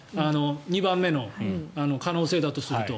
２番目の可能性だとすると。